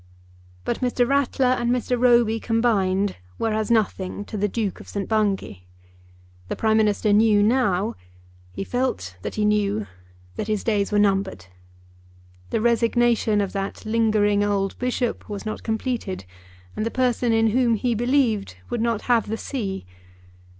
But Mr. Rattler and Mr. Roby combined were as nothing to the Duke of St. Bungay. The Prime Minister knew now, he felt that he knew, that his days were numbered. The resignation of that lingering old bishop was not completed, and the person in whom he believed would not have the see.